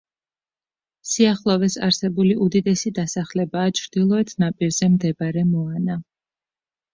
სიახლოვეს არსებული უდიდესი დასახლებაა ჩრდილოეთ ნაპირზე მდებარე მოანა.